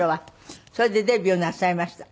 それでデビューなさいました。